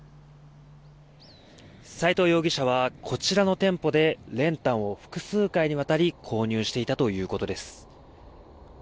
齋藤容疑者はこちらの店舗で練炭を複数回にわたり購入していたということです。